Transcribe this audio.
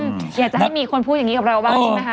อยากจะให้มีคนพูดอย่างนี้กับเราบ้างใช่ไหมคะ